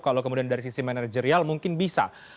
kalau kemudian dari sisi manajerial mungkin bisa